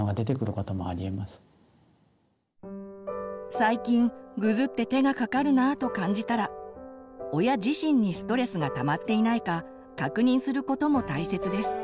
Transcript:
「最近ぐずって手がかかるなあ」と感じたら親自身にストレスがたまっていないか確認することも大切です。